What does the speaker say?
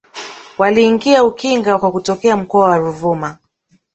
Waliingia Ukinga kwa kutokea mkoa wa Ruvuma